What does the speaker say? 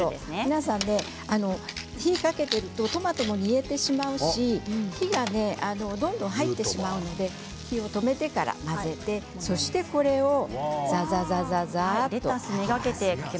火にかけているとトマトも煮えてしまうし火がどんどん入ってしまうので火を止めてから、混ぜてそしてこれを、ざざざっと。